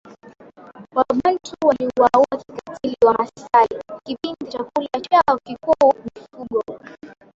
Wabantu waliwaua kikatili Wamasai kipindi chakula chao kikuu mifugo